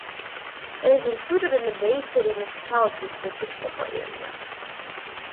It is included in the Bay City Metropolitan Statistical Area.